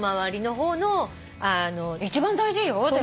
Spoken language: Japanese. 一番大事よでも。